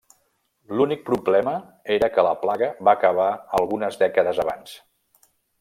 L'únic problema era que la plaga va acabar algunes dècades abans.